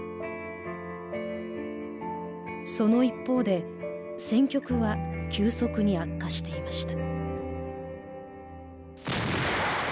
その一方で戦局は急速に悪化していました。